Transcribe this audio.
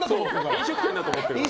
飲食店だと思ってるから。